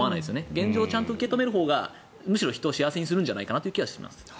現状をちゃんと受け止めるほうがむしろ人を幸せにするんじゃないかという気がします。